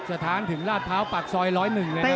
สถานถึงราชพร้าวปากซอย๑๐๑เลยนะ